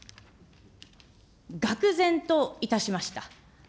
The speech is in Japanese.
がく然といたしました。